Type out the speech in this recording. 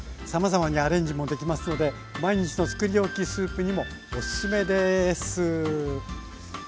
さまざまにアレンジもできますので毎日の作り置きスープにもおすすめです。